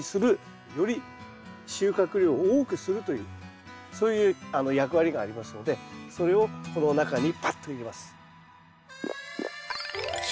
より収穫量を多くするというそういう役割がありますのでそれをこの中にパッと入れます。